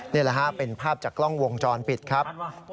นี่แหละฮะเป็นภาพจากกล้องวงจรปิดครับ